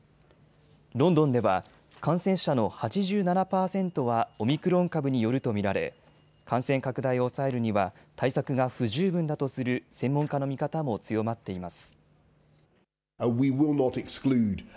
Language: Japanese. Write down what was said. ロンドンでは感染者の８７％はオミクロン株によると見られ感染拡大を抑えるには対策が不十分だとする専門家の見方も強まっています。